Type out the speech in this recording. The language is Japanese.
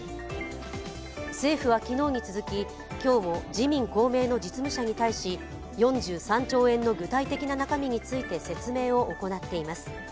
政府は昨日に続き、今日も自民・公明の実務者に対し４３兆円の具体的な中身について説明を行っています。